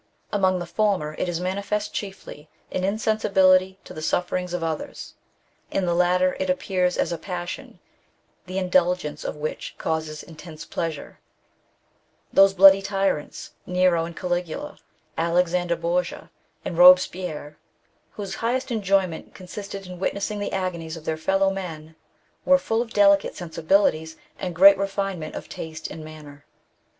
Among the former it is ♦ Doctrine of the Mind, p. 168. 138 THE BOOK OF WERE WOLVES. manifest chiefly in insensibility to the sufferings of others ; in the latter it appears as a passion, the indul gence of which causes intense pleasure. Those bloody tyrants, Nero and Caligula, Alexander Borgia, and Eobespierre, whose highest enjoyment con sisted in witnessing the agonies of their fellow men, were full of delicate sensibilities and great refinement of taste and manner.